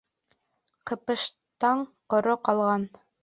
Ҡыпыштаң ҡоро ҡалған.